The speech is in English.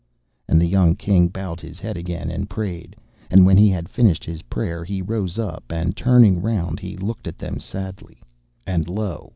And the young King bowed his head again, and prayed, and when he had finished his prayer he rose up, and turning round he looked at them sadly. And lo!